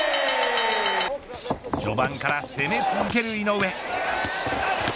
序盤から攻め続ける井上。